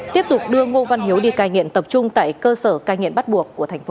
tiếp tục đưa ngô văn hiếu đi cai nghiện tập trung tại cơ sở cai nghiện bắt buộc của thành phố